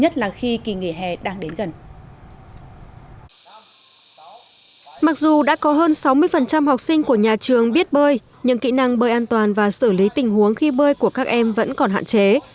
mặc dù đã có hơn sáu mươi học sinh của nhà trường biết bơi nhưng kỹ năng bơi an toàn và xử lý tình huống khi bơi của các em vẫn còn hạn chế